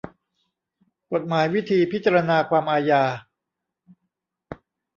กฎหมายวิธีพิจารณาความอาญา